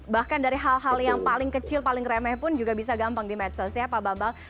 bahkan dari hal hal yang paling kecil paling remeh pun juga bisa gampang di medsos ya pak bambang